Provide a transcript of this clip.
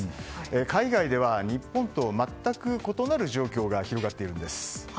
海外では日本と全く異なる状況が広がっているんです。